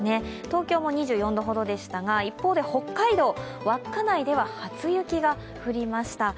東京も２４度ほどでしたが一方で北海道稚内では初雪が降りました。